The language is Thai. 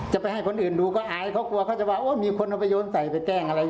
จะไปให้คนอื่นดูก็อายเขากลัวเขาจะว่ามีคนเอาไปโยนใส่ไปแกล้งอะไร